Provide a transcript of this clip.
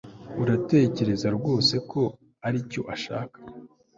uratekereza rwose ko aricyo nshaka